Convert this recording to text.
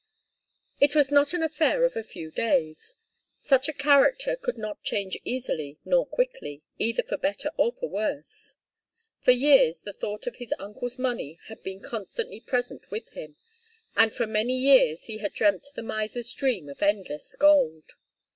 It was not an affair of a few days. Such a character could not change easily nor quickly, either for better or for worse. For years the thought of his uncle's money had been constantly present with him, and for many years he had dreamt the miser's dream of endless gold.